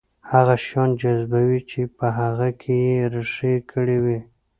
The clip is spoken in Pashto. هغه شيان جذبوي چې په هغه کې يې رېښې کړې وي.